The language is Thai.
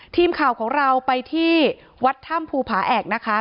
ทีมข่าวของเราไปที่วัดถ้ำภูผาแอกนะคะ